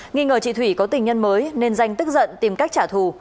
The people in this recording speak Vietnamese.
nghi ngờ chị thủy có tình nhân mới nên danh tức giận tìm cách trả thù